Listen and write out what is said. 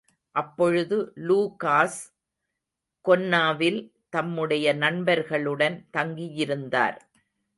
அப்பொழுது லூகாஸ் கொன்னாவில் தம்முடைய நண்பர்களுடன் தங்கியிருந்தார்.